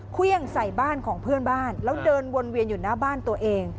เครื่องใส่บ้านของเพื่อนบ้านแล้วเดินวนเวียนอยู่หน้าบ้านตัวเอง